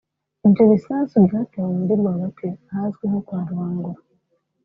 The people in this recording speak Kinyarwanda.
Ibyo bisasu byatewe mu mujyi rwagati ahazwi nko “Kwa Rubangura”